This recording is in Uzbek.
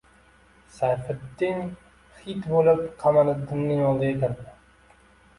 Sayfiddin xit bo‘lib Qamariddinning oldiga kirdi